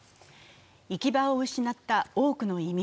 行き場を失った多くの移民。